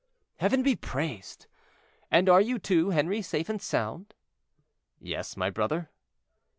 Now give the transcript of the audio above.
"Heaven be praised! and are you too, Henri, safe and sound?" "Yes, my brother."